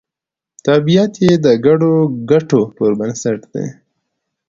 طبیعت یې د ګډو ګټو پر بنسټ دی